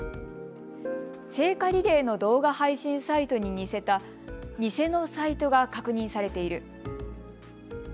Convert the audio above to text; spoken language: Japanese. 聖火リレーの動画配信サイトに似せた偽のサイトが確認されている。